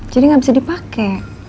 jadi gak bisa dipake